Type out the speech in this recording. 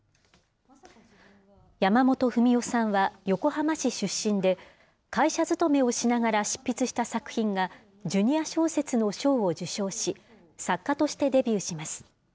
山本文緒さんは横浜市出身で、会社勤めをしながら執筆した作品が、ジュニア小説の賞を受賞し、作家としてデビューします。